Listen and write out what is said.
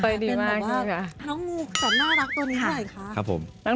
เขาเรียนแบบน้องมูกสน่ารักตัวนี้เท่าไหร่คะ